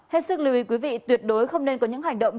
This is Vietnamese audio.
hết sức lưu ý quý vị tuyệt đối không nên có những hành động